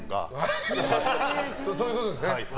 そういうことですね。